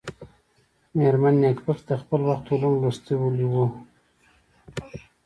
مېرمن نېکبختي د خپل وخت علوم لوستلي ول.